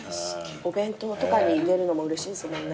お弁当とかに出るのもうれしいですもんね。